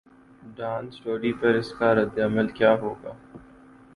Dawn story پر اس کا ردعمل کیا ہو گا؟